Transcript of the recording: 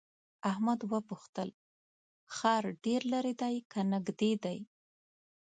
تواب وپوښتل ښار ډېر ليرې دی که نږدې دی؟